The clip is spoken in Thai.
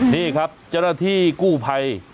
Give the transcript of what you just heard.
นี่ครับเจ้าหน้าที่กู้ภัย